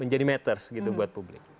menjadi matters buat publik